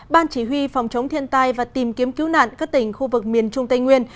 ban chỉ huy phòng chống thiên tai và tìm kiếm cứu nạn các tỉnh khu vực miền trung tây nguyên